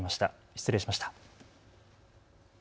失礼しました。